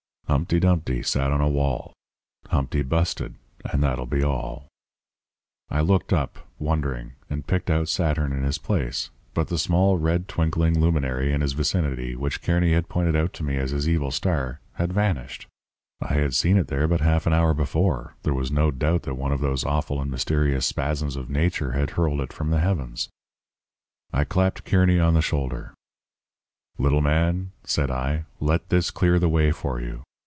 "'Humpty Dumpty sat on a wall; Humpty busted, and that'll be all!' "I looked up, wondering, and picked out Saturn in his place. But the small red twinkling luminary in his vicinity, which Kearny had pointed out to me as his evil star, had vanished. I had seen it there but half an hour before; there was no doubt that one of those awful and mysterious spasms of nature had hurled it from the heavens. "I clapped Kearny on the shoulder. "'Little man,' said I, 'let this clear the way for you.